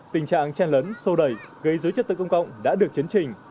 tình trạng chen lấn sô đẩy gây dối chất tự công cộng đã được chấn trình